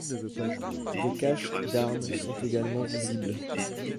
Des caches d'armes sont également visibles.